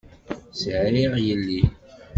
Sɛiɣ yelli.